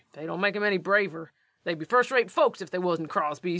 They don't make 'em any braver they'd be first rate folks if they wuzn't Crosbys.